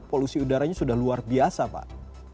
polusi udaranya sudah luar biasa pak